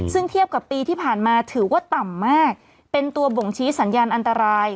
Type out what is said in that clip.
ซึ่งเทียบกับปีที่ผ่านมาถือว่าต่ำมากเป็นตัวบ่งชี้สัญญาณอันตราย